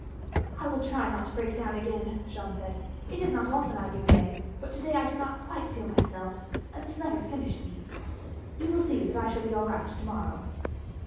"I will try not to break down again," Jeanne said; "it is not often I give way, but to day I do not feel quite myself, and this letter finished me. You will see I shall be all right to morrow."